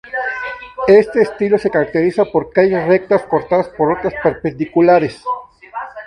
Este estilo se caracteriza por calles rectas cortadas por otras perpendiculares.